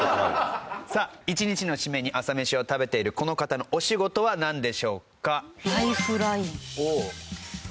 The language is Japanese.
さあ一日の締めに朝メシを食べているこの方のお仕事はなんでしょうか？